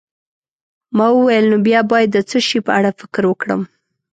ما وویل: نو بیا باید د څه شي په اړه فکر وکړم؟